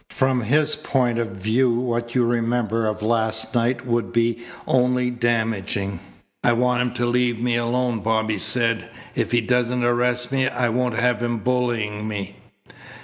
From his point of view what you remember of last night would be only damaging." "I want him to leave me alone," Bobby said. "If he doesn't arrest me I won't have him bullying me."